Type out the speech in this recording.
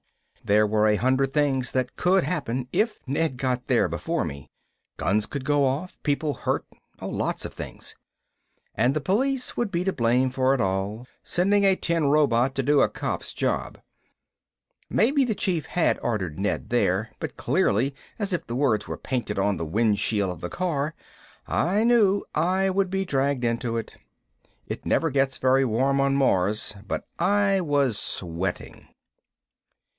There were a hundred things that could happen if Ned got there before me. Guns could go off, people hurt, lots of things. And the police would be to blame for it all sending a tin robot to do a cop's job. Maybe the Chief had ordered Ned there, but clearly as if the words were painted on the windshield of the car, I knew I would be dragged into it. It never gets very warm on Mars, but I was sweating.